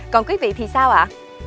còn quý vị thì sao ạ